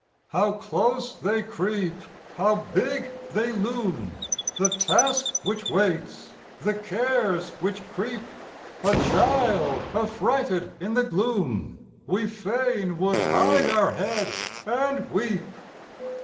How close they creep! How big they loom! The Task which waits, the Cares which creep; A child, affrighted in the gloom, We fain would hide our head and weep.